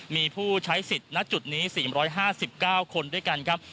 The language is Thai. มีผู้ใช้สิทธิ์ณจุดนี้๔๕๙คนด้วยกันครับ